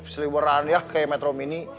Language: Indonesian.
jangan beraniah kayak metro mini